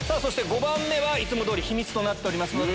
そして５番目はいつも通り秘密となっております。